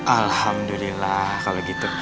alhamdulillah kalau gitu